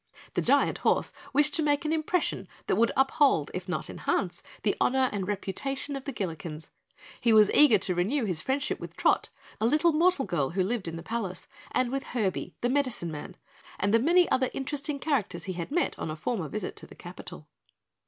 The giant horse wished to make an impression that would uphold if not enhance the honor and reputation of the Gillikens. He was eager to renew his friendship with Trot, a little mortal girl who lived in the palace and with Herby, the Medicine Man, and the many other interesting characters he had met on a former visit to the capital.